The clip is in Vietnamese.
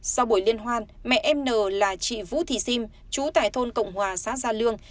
sau buổi liên hoan mẹ em n là chị vũ thị sim chú tại thôn cộng hòa xã gia lương